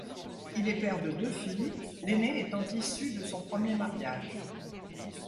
Il est père de deux filles, l'ainée étant issue de son premier mariage.